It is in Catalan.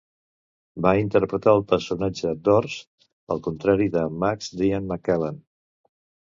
Va interpretar el personatge de Horst, el contrari de Max d'Ian McKellen.